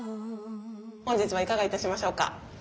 本日はいかが致しましょうか？